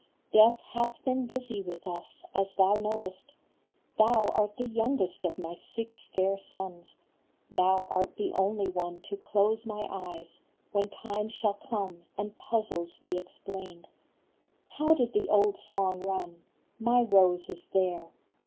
Death hath been busy with us, as thou knowest ; Thou art the youngest of my six fair sons, Thou art the only one to close my eyes When time shall come and puzzles be explained. How did the old song run? " My Rose is there."